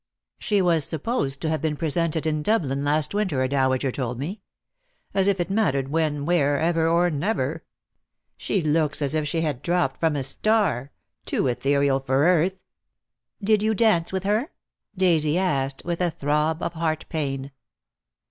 She was supposed to have been presented in Dublin last winter, a Dowager told me. As if it mattered when, where, ever, or never? She looks as if she had dropped from a star, too ethereal for earth." "Did you dance with her?" Daisy asked, with a throb of heart pain.